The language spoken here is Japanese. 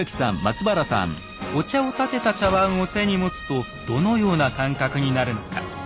お茶をたてた茶碗を手に持つとどのような感覚になるのか。